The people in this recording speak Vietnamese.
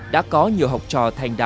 đã có nhiều học trò thành đạt